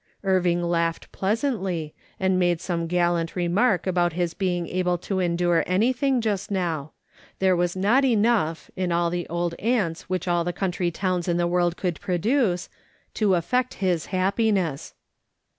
Irving laughed pleasantly, and made some gallant remark about his being able to endure anything just now ; there was not enough, in all the old aunts which all the country towns in the world could pro duce, to affect his happiness.